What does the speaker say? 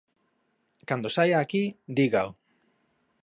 Cando saia aquí, dígao.